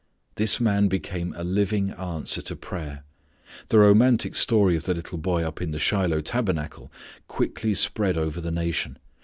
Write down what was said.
This man became a living answer to prayer. The romantic story of the little boy up in the Shiloh tabernacle quickly spread over the nation.